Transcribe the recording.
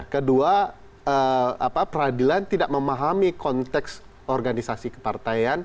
kedua peradilan tidak memahami konteks organisasi kepartaian